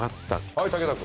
はい武田君。